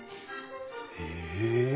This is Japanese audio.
へえ！